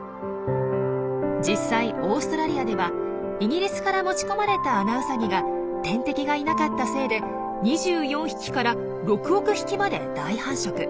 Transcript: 実際オーストラリアではイギリスから持ち込まれたアナウサギが天敵がいなかったせいで２４匹から６億匹まで大繁殖。